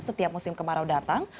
setiap musim kemarau datang